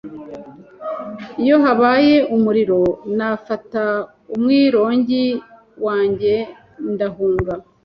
Iyo habaye umuriro, nafata umwironge wanjye ndahunga.